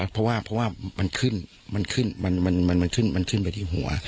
เพราะว่ามันขึ้นมันขึ้นมันขึ้นไปที่หัว